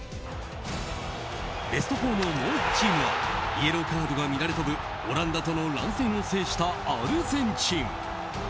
ベスト４のもう１チームはイエローカードが乱れ飛ぶオランダとの乱戦を制したアルゼンチン。